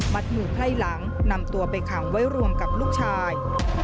มือไพร่หลังนำตัวไปขังไว้รวมกับลูกชาย